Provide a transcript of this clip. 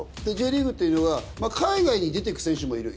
Ｊリーグっていうのが海外に出てく選手もいる。